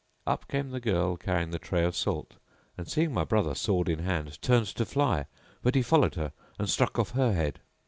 Up came the girl carrying the tray of salt and, seeing my brother sword in hand, turned to fly; but he followed her and struck off her head.